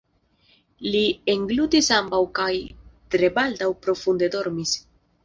Li englutis ambaŭ kaj tre baldaŭ profunde dormis.